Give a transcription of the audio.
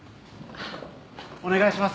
お願いします。